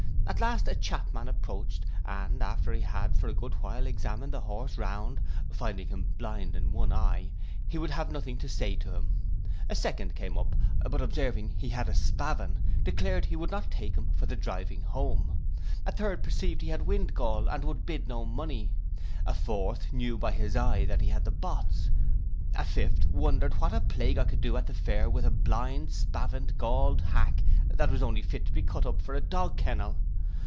At last a chapman approached, and, after he had for a good while examined the horse round, finding him blind of one eye, he would have nothing to say to him: a second came up; but observing he had a spavin, declared he would not take him for the driving home: a third perceived he had a windgall, and would bid no money: a fourth knew by his eye that he had the botts: a fifth, wondered what a plague I could do at the fair with a blind, spavined, galled hack, that was only fit to be cut up for a dog kennel.